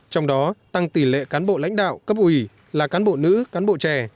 trong đó tăng tỷ lệ cán bộ lãnh đạo cấp ủy là cán bộ nữ cán bộ trẻ